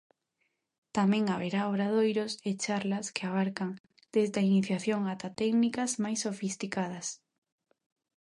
Tamén haberá obradoiros e charlas que abarcan desde a iniciación ata técnicas máis sofisticadas.